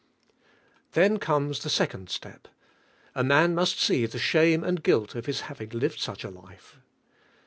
^S CARNAL CHRISTIANS Then comes the second step; a man must see the shame and guih of his having lived such a life.